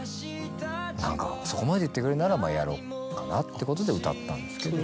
何かそこまで言ってくれるならやろうかなってことで歌ったんですけど。